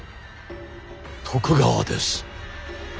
徳川です。